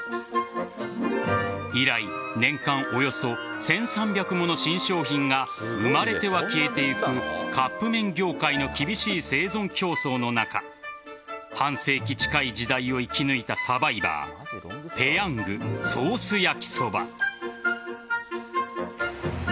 以来年間およそ１３００もの新商品が生まれては消えてゆくカップ麺業界の厳しい生存競争の中半世紀近い時代を生き抜いたサバイバーペヤングソースやきそば。